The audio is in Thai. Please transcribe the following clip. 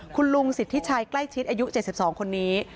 คุณลุงสิทธิชัยใกล้ชิดอายุ๗๒คนนี้